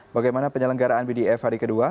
bagaimana penyelenggaraan bdf hari kedua